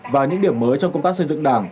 và những điểm mới trong công tác xây dựng đảng